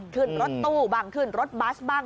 ขึ้นรถตู้บ้างขึ้นรถบัสบ้าง